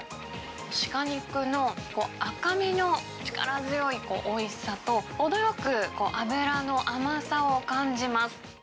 鹿肉の赤身の力強いおいしさと、程よく脂の甘さを感じます。